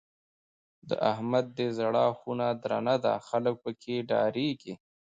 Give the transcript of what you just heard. د احمد دی زړه خونه درنه ده؛ خلګ په کې ډارېږي.